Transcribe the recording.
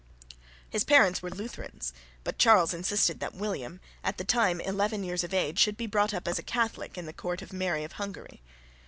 His parents were Lutherans, but Charles insisted that William, at that time eleven years of age, should be brought up as a Catholic at the Court of Mary of Hungary.